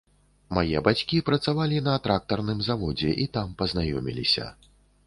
Мае бацькі працавалі на трактарным заводзе і там пазнаёміліся.